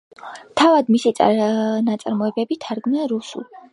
თავად მისი ნაწარმოებები თარგმნა რუსულ.